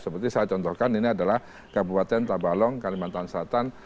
seperti saya contohkan ini adalah kabupaten tabalong kalimantan selatan